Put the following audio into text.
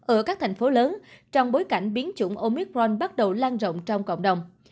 ở các thành phố lớn trong bối cảnh biến chủng omicron bắt đầu lan rộng trong cộng đồng